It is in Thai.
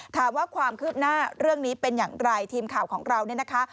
ถามว่าความคืบหน้าเรื่องนี้เป็นอย่างไรทีมข่าวของเราเนี่ยนะคะ